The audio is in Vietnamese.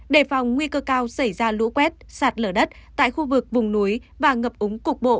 đề phòng nguy cơ cao xảy ra lũ quét sạt lở đất tại khu vực vùng núi và ngập úng cục bộ